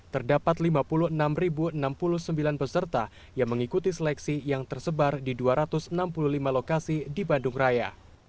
terdapat lima puluh enam enam puluh sembilan peserta yang mengikuti seleksi yang tersebar di dua ratus enam puluh lima lokasi di bandung raya